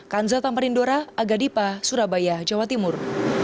kanza tamarindora agadipa surabaya jawa timur